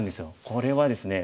これはですね